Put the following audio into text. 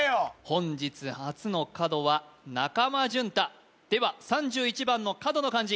本日初の角は中間淳太では３１番の角の漢字